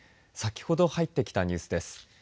先ほど入ってきたニュースです。